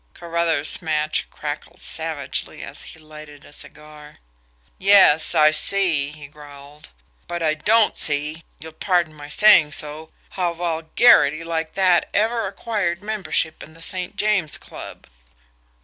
Carruthers' match crackled savagely as he lighted a cigar. "Yes, I see," he growled. "But I don't see you'll pardon my saying so how vulgarity like that ever acquired membership in the St. James Club."